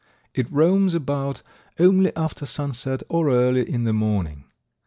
It roams about only after sunset or early in the morning.